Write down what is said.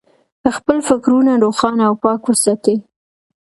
خپل فکرونه روښانه او پاک وساتئ.